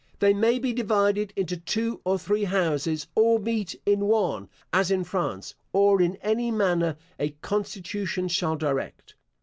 They may be divided into two or three houses, or meet in one, as in France, or in any manner a constitution shall direct.